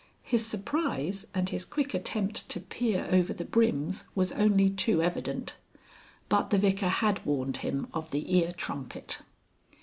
His surprise and his quick attempt to peer over the brims was only too evident. But the Vicar had warned him of the ear trumpet.